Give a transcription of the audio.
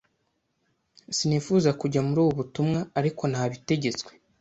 Sinifuzaga kujya muri ubu butumwa, ariko nabitegetswe.